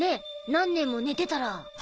何年も寝てたら。